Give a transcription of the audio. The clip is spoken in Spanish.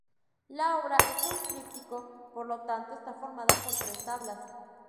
La obra es un tríptico, por lo tanto está formado por tres tablas.